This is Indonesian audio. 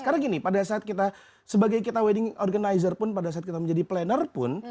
karena gini pada saat kita sebagai wedding organizer pun pada saat kita menjadi planner pun